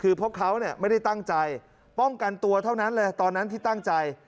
คือพวกเขาไม่ได้ตั้งใจป้องกันตัวเท่านั้นเลยตอนนั้นที่ตั้งใจ